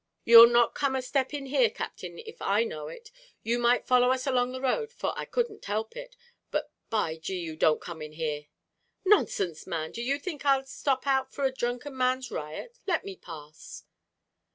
"You'll not come a step in here, Captain, if I know it; you might follow us along the road, for I couldn't help it, but, by G d, you don't come in here!" "Nonsense, man; do you think I'll stop out for a drunken man's riot? let me pass."